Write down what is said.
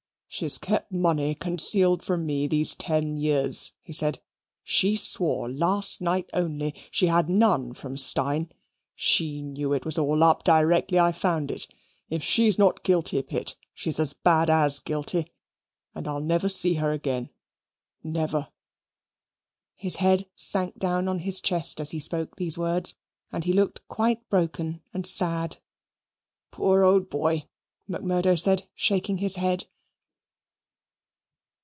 "She has kep money concealed from me these ten years," he said "She swore, last night only, she had none from Steyne. She knew it was all up, directly I found it. If she's not guilty, Pitt, she's as bad as guilty, and I'll never see her again never." His head sank down on his chest as he spoke the words, and he looked quite broken and sad. "Poor old boy," Macmurdo said, shaking his head.